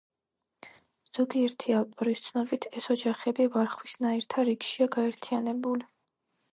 ზოგიერთი ავტორის ცნობით ეს ოჯახები ვარხვისნაირთა რიგშია გაერთიანებული.